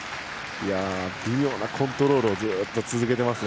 微妙なコントロールをずっと続けていますね。